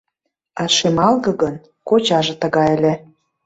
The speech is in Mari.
А шемалге гын, кочаже тыгай ыле.